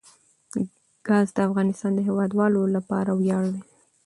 ګاز د افغانستان د هیوادوالو لپاره ویاړ دی.